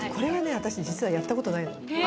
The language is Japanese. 私実はやったことないのえ